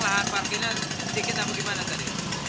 emang lah parkirnya sedikit atau gimana tadi